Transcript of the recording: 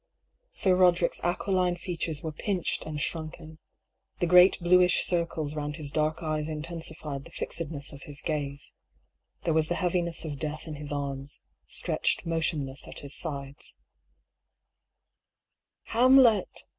Sir Boderick's aquiline features were pinched and shrunken; the great bluish circles round his dark eyes intensified the fixedness of his gaze ; there was the heaviness of death in his arms, stretched motionless at his sides. A STARTLING PROPOSAL. 95 " Hamlet